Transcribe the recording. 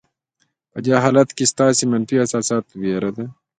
په دې حالت کې ستاسې منفي احساسات وېره ده.